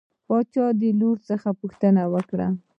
باچا د لور څخه پوښتنه وکړه.